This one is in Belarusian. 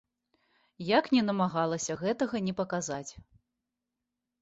Як ні намагалася гэтага не паказаць.